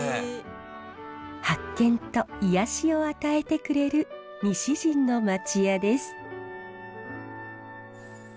発見と癒やしを与えてくれる西陣の町家です。